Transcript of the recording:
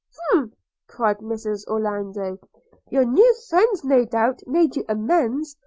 'Humph!' cried Mrs Rayland, 'your new friends no doubt made you amends.